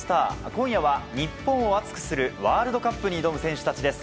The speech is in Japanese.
今夜は日本を熱くするワールドカップに挑む選手たちです。